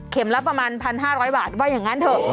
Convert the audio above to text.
ละประมาณ๑๕๐๐บาทว่าอย่างนั้นเถอะ